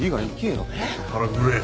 腹くくれ。